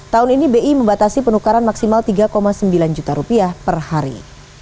tahun ini bi membatasi penukaran maksimal tiga sembilan juta rupiah per hari